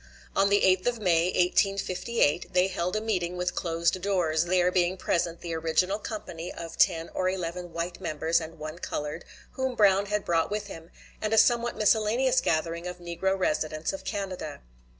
On the 8th of May, 1858, they held a meeting with closed doors, there being present the original company of ten or eleven white members and one colored, whom Brown had brought with him, and a somewhat miscellaneous gathering of negro residents of Canada.